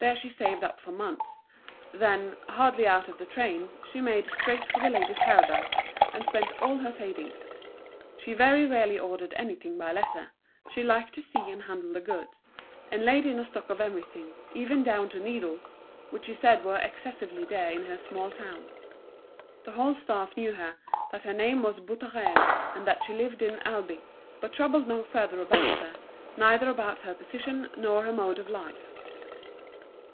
There she saved up for months; then, hardly out of the train, she made straight for The Ladies' Paradise, and spent all her savings. She very rarely ordered anything by letter, she liked to see and handle the goods, and laid in a stock of everything, even down to needles, which she said were excessively dear in her small town. The whole staff knew her, that her name was Boutarel, and that she lived at Albi, but troubled no further about her, neither about her position nor her mode of life.